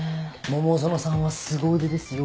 桃園さんはすご腕ですよ。